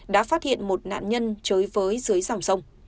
đã phát hiện một nạn nhân chối với dưới dòng sông